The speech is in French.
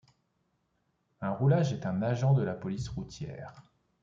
Un roulage est un agent de la police routière.